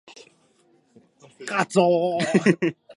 瞬く